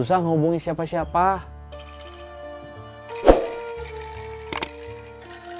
jangan dikik masukan kerja